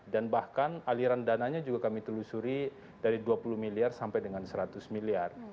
dan bahkan aliran dananya juga kami telusuri dari dua puluh miliar sampai dengan seratus miliar